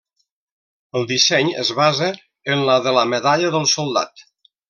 El disseny es basa en la de la Medalla del Soldat.